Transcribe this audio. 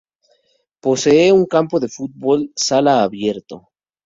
Posee un campo de fútbol sala abierto.